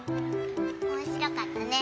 おもしろかったね。